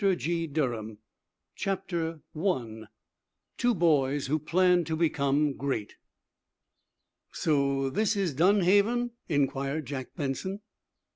Conclusion CHAPTER I TWO BOYS WHO PLANNED TO BECOME GREAT "So this is Dunhaven?" inquired Jack Benson.